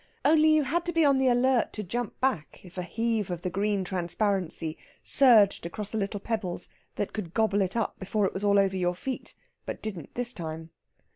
Only you had to be on the alert to jump back if a heave of the green transparency surged across the little pebbles that could gobble it up before it was all over your feet but didn't this time.